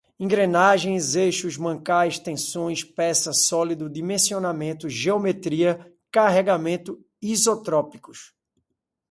Engrenagens, eixos, mancais, tensões, peça, sólido, dimensionamento, geometria, carregamento, isotrópicos